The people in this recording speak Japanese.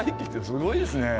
すごいですね。